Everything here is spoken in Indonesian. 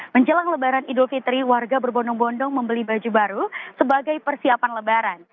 menjelang lebaran idul fitri warga berbondong bondong membeli baju baru sebagai persiapan lebaran